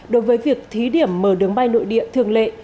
đối với việc thí điểm mở đường bay nội địa thường lệ